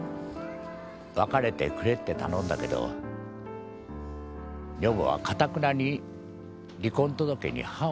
別れてくれって頼んだけど女房はかたくなに離婚届に判を押してくれなかった。